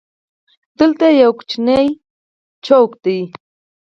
دلته یو کوچنی چوک دی.